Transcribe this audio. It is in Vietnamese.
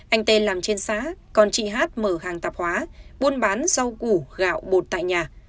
anh t làm trên xá còn chị hth mở hàng tạp hóa buôn bán rau củ gạo bột tại nhà